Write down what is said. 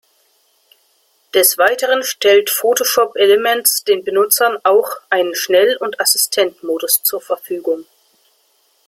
Des Weiteren stellt Photoshop Elements den Benutzern auch einen Schnell- und Assistent-Modus zur Verfügung.